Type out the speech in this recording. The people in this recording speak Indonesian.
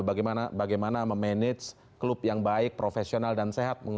bagaimana memanage klub yang baik profesional dan sehat